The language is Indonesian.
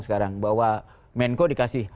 sekarang bahwa menko dikasih